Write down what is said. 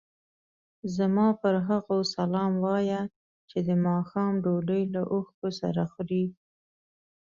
زما پر هغو سلام وایه چې د ماښام ډوډۍ له اوښکو سره خوري.